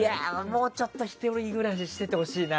もうちょっと実家暮らししててほしいな。